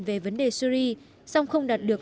về vấn đề syri song không đạt được